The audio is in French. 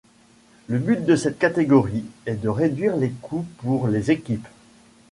Le but de cette catégorie est de réduire les coûts pour les équipes.